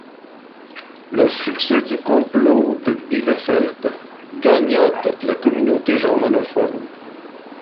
Le succès du complot de Bielefeld gagna toute la communauté germanophone.